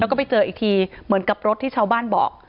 แล้วก็ไปเจออีกทีเหมือนกับรถที่ชาวบ้านบอก